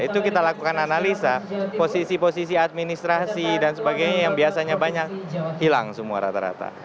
itu kita lakukan analisa posisi posisi administrasi dan sebagainya yang biasanya banyak hilang semua rata rata